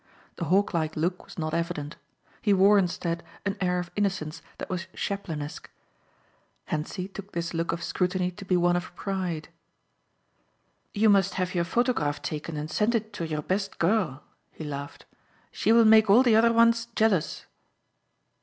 The hawklike look was not evident. He wore, instead, an air of innocence that was Chaplinesque. Hentzi took this look of scrutiny to be one of pride. "You must have your photograph taken and send it to your best girl," he laughed, "she will make all the other ones jealous."